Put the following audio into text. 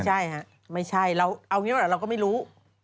ไม่ใช่ฮะไม่ใช่เอาอย่างนี้แหละเราก็ไม่รู้